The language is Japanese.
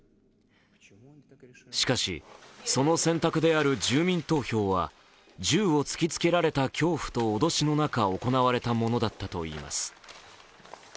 しかし、その選択である住民投票は銃を突きつけられた恐怖と脅しの中行われたものだったといいます。